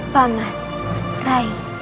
pak mat rai